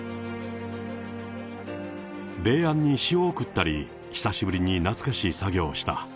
ベーヤンに詞を送ったり、久しぶりに懐かしい作業をした。